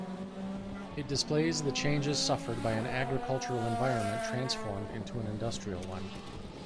It displays the changes suffered by an agricultural environment transformed into and industrial one.